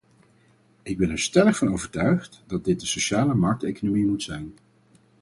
Ik ben er stellig van overtuigd dat dit de sociale markteconomie moet zijn.